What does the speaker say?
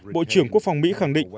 bộ trưởng quốc phòng mỹ khẳng định